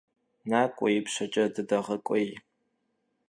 Nak'ue, yipşeç'e dıdeğek'uêy.